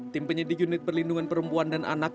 tim penyidik unit perlindungan perempuan dan anak